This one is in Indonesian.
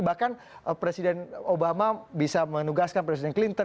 bahkan presiden obama bisa menugaskan presiden clinton